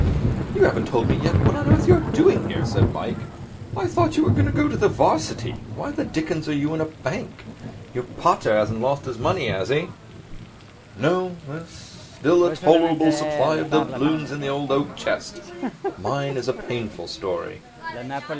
'You haven't told me yet what on earth you're doing here,' said Mike. 'I thought you were going to the 'Varsity. Why the dickens are you in a bank? Your pater hasn't lost his money, has he?' 'No. There is still a tolerable supply of doubloons in the old oak chest. Mine is a painful story.'